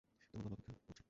তোমার বাবা অপেক্ষা করছে!